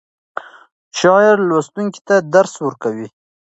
شعر لوستونکی ته درس ورکوي.